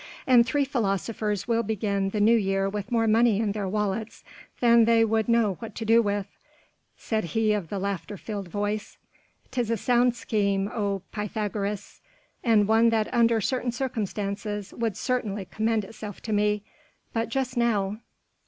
"And three philosophers will begin the New Year with more money in their wallets than they would know what to do with," said he of the laughter filled voice. "'Tis a sound scheme, O Pythagoras, and one that under certain circumstances would certainly commend itself to me. But just now...."